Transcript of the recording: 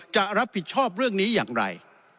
จะรับผิดชอบเรื่องนี้อย่างไร